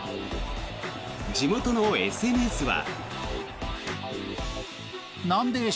地元のＳＮＳは。